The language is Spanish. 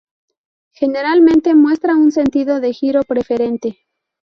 Generalmente muestra un sentido de giro preferente.